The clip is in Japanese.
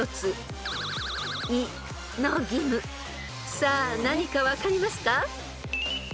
［さあ何か分かりますか？］